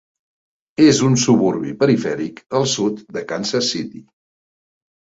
És un suburbi perifèric al sud de Kansas City.